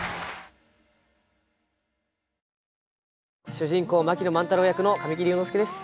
主人公槙野万太郎役の神木隆之介です。